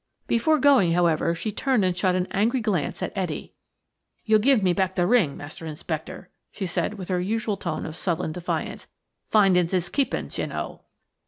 Before going, however, she turned and shot an angry glance at Etty. "You'll give me back the ring, Master Inspector," she said with her usual tone of sullen defiance. "'Findings is keepings' you know."